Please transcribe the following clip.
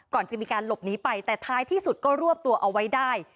ก่อนจะมีการหลบหนีไปแต่ท้ายที่สุดก็รวบตัวเอาไว้ได้